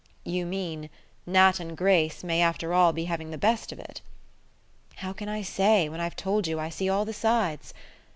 "You mean: Nat and Grace may after all be having the best of it?" "How can I say, when I've told you I see all the sides?